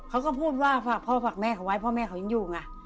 เขาก็พูดว่าฝากพ่อฝากแม่เขาไว้พ่อแม่เขายังอยู่ไง